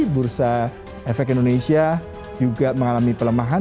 bursa efek indonesia juga mengalami pelemahan